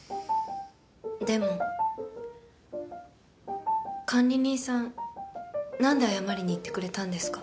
でも管理人さんなんで謝りに行ってくれたんですか？